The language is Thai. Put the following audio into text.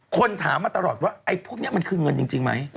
คนถามมาตลอดว่าไอ้พวกนี้มันคือเงินจริงไหม